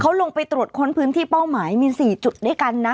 เขาลงไปตรวจค้นพื้นที่เป้าหมายมี๔จุดด้วยกันนะ